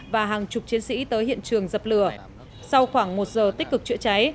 và hàng chục chiến sĩ tới hiện trường dập lửa sau khoảng một giờ tích cực chữa cháy